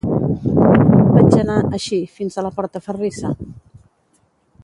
Vaig anar, així, fins a la Portaferrissa.